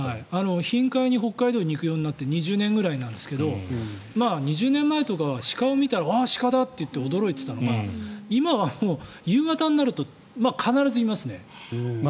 頻回に北海道に行くようになって２０年ぐらいなんですが２０年前とかは、鹿を見たらわっ、鹿だ！といって驚いていたのが今はもう夕方になると必ずいますね。